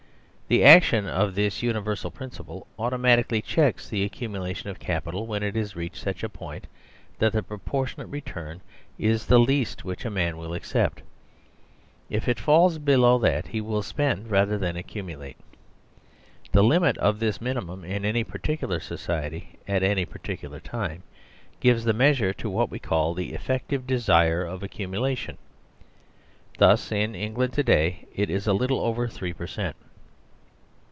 The action of this universal principle automatically checks the accumulation of capital when it has reached such a point that the proportionate return is the least which a man will accept. If it falls below that he will spend rather than accumulate. The limit of this mini mum in any particular society at any particular time gives the measure to what we call "the Effective Desire of Ac cumulation." Thus in England to day it is a little over 3 per cent.